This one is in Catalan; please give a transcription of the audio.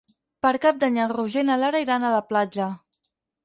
Per Cap d'Any en Roger i na Lara iran a la platja.